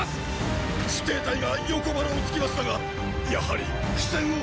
傅抵隊が横腹を突きましたがやはり苦戦を！